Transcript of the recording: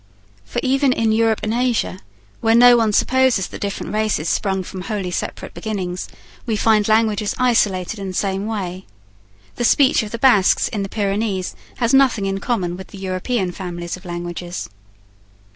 For even in Europe and Asia, where no one supposes that different races sprung from wholly separate beginnings, we find languages isolated in the same way. The speech of the Basques in the Pyrenees has nothing in common with the European families of languages.